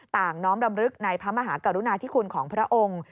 น้อมรำลึกในพระมหากรุณาธิคุณของพระองค์